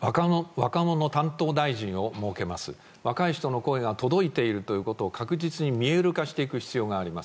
若い人の声が届いているということを確実に見える化していく必要があります。